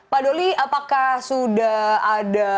pak doli apakah sudah ada